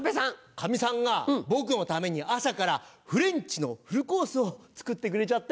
かみさんが僕のために朝からフレンチのフルコースを作ってくれちゃって。